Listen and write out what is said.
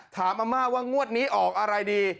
อาม่าว่างวดนี้ออกอะไรดี